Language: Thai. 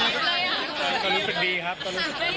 เขาโตมาจนถึงขนาดนี้แล้วเนี่ยเราไม่จำเป็นต้องพูดคุณทุกอย่าง